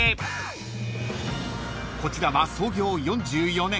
［こちらは創業４４年］